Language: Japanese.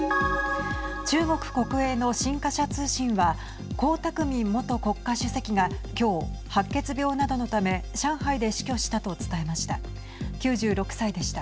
中国国営の新華社通信は江沢民元国家主席が今日、白血病などのため上海で死去したと伝えました。